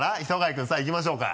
君さぁいきましょうか。